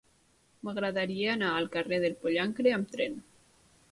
M'agradaria anar al carrer del Pollancre amb tren.